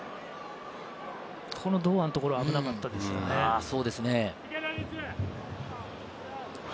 堂安のところ危なかったですよね。